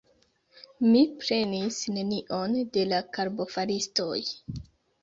mi prenis nenion de la karbofaristoj!